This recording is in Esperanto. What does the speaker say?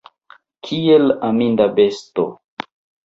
Kiel aminda besto!